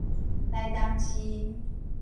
臺東市